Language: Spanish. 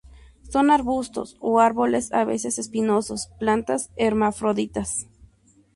Son arbustos o árboles, a veces espinosos; plantas hermafroditas.